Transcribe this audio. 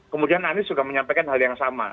kemudian anies juga menyampaikan hal yang sama